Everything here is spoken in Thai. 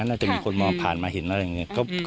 น่าจะมีคนมองผ่านมาเห็นอะไรอย่างนี้